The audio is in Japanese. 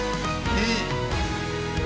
「いい！」